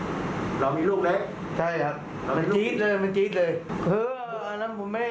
ใช่ครับมันจี๊ดเลย